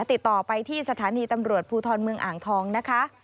ติดต่อไปที่สถานีตำรวจภูทรเมืองอ่างทองนะคะ